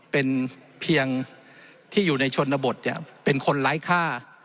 เป็นเพียงที่อยู่ในชนบทเป็นคนไร้ค่า